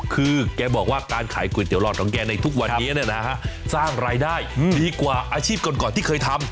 คือแกบอกว่าการขายก๋วยเตี๋ยหลอดของแกในทุกวันนี้สร้างรายได้ดีกว่าอาชีพก่อนที่เคยทำ